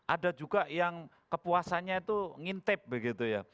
ada juga yang kepuasannya itu ngintip begitu ya